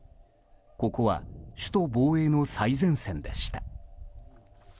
ここは首都防衛の最前線でした。